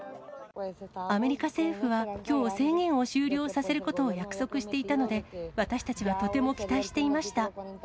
アメリカ政府はきょう、制限を終了させることを約束していたので、私たちはとても期待していました。